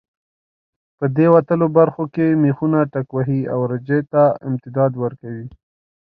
په دې وتلو برخو کې مېخونه ټکوهي او رجه ته امتداد ورکوي.